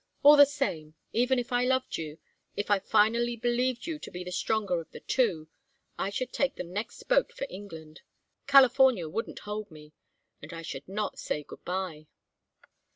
All the same, even if I loved you, if I finally believed you to be the stronger of the two, I should take the next boat for England. California wouldn't hold me. And I should not say good bye."